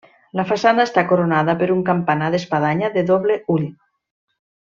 La façana està coronada per un campanar d'espadanya de doble ull.